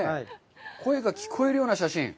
声が聞こえるような写真。